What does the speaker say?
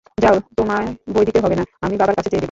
যাও তোমায় বই দিতে হবে না, আমি বাবার কাছে চেয়ে দেবো।